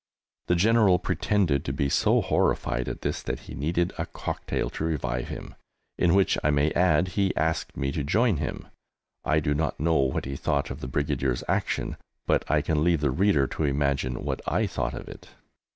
The General pretended to be so horrified at this that he needed a cocktail to revive him in which I may add he asked me to join him. I do not know what he thought of the Brigadier's action, but I can leave the reader to imagine what I thought of it!